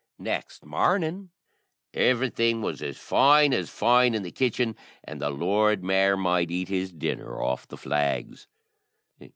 Next morning everything was as fine as fine in the kitchen, and the lord mayor might eat his dinner off the flags.